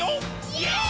イエーイ！！